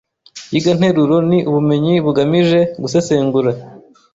yiganteruro ni ubumenyi bugamije gusesengura